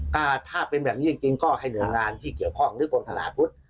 ถ้าแบบนี้จริงจริงก็ให้เรืองานที่เกี่ยวกับภาคในกลมศาลาพุธ